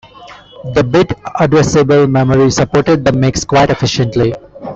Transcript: The bit addressable memory supported the mix quite efficiently.